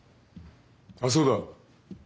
あっそうだ。